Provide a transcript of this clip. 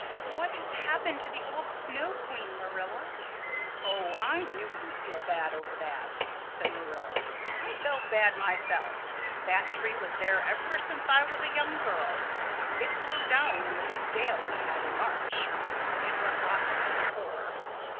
"What has happened to the old Snow Queen, Marilla?" "Oh, I knew you'd feel bad over that," said Marilla. "I felt bad myself. That tree was there ever since I was a young girl. It blew down in the big gale we had in March. It was rotten at the core."